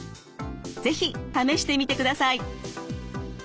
是非試してみてください。